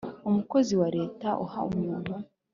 Umukozi wa Leta uha umuntu